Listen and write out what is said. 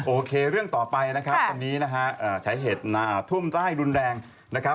โอเคเรื่องต่อไปนะครับวันนี้นะฮะใช้เหตุท่วมใต้รุนแรงนะครับ